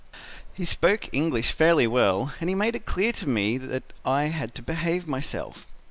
"He spoke English fairly well and he made it clear to me that I had to behave myself.